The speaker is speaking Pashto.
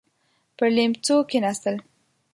پر ليمڅو کېناستل.